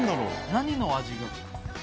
何の味が？